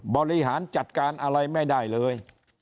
บริหารจัดการอะไรไม่ได้เลย